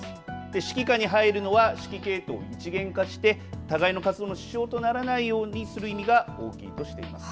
指揮下に入るのは指揮系統を一元化して互いの活動の支障とならないようにする意味が大きいとしています。